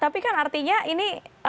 tapi kan artinya ini